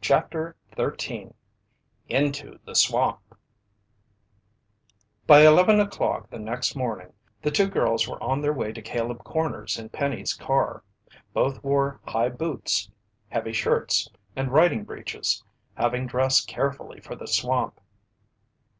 CHAPTER 13 INTO THE SWAMP By eleven o'clock the next morning, the two girls were on their way to Caleb Corners in Penny's car. Both wore high boots, heavy shirts, and riding breeches, having dressed carefully for the swamp.